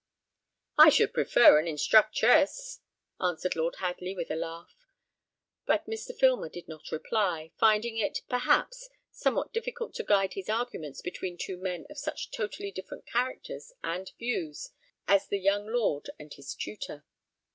"I should prefer an instructress," answered Lord Hadley, with a laugh; but Mr. Filmer did not reply, finding it, perhaps, somewhat difficult to guide his arguments between two men of such totally different characters and views as the young lord and his tutor.